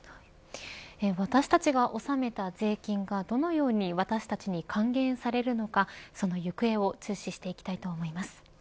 私たちが納めた税金がどのように私たちに還元されるのかその行方を注視していきたいと思います。